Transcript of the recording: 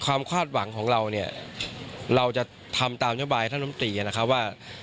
ความควาดหวังของเราเราจะทำตามนโยบายท่านนมตรีนะครับว่า